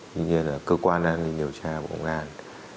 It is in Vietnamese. nhưng cơ quan an ninh điều tra bộ ngàn